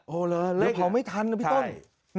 โหเหรอเล็กเหรอเดี๋ยวเผาไม่ทันนะพี่ต้น